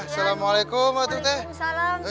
kalau memang aman saya jalan dulu ya